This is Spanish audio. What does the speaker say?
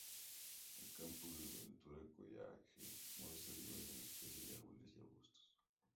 El campus del Ventura College muestra diversas especies de árboles y arbustos.